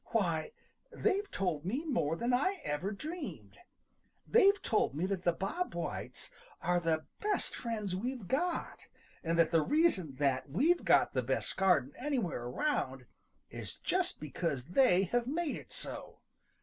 "Why, they've told me more than I ever dreamed! They've told me that the Bob Whites are the best friends we've got, and that the reason that we've got the best garden anywhere around is just because they have made it so.